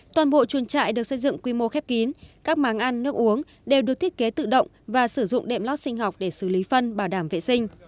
toàn bộ chuồn trại được xây dựng quy mô khép kín các máng ăn nước uống đều được thiết kế tự động và sử dụng đệm lót sinh học để xử lý phân bảo đảm vệ sinh